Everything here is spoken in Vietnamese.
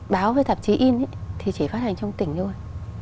báo với tạp chí in thì chỉ phát hành trong tỉnh thôi